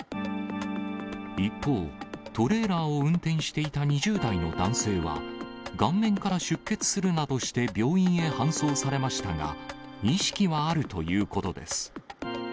一方、トレーラーを運転していた２０代の男性は、顔面から出血するなどして病院へ搬送されましたが、意識はあるということです。